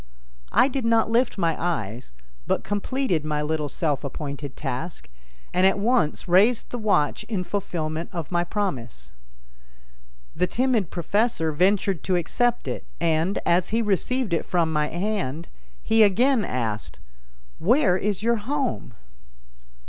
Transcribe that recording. I did not lift my eyes, but completed my little self appointed task, and at once raised the watch in fulfillment of my promise. The timid professor ventured to accept it and, as he received it from my hand, he again asked: "Where is your home?"